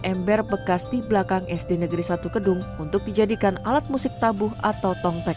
ember bekas di belakang sd negeri satu kedung untuk dijadikan alat musik tabuh atau tongpek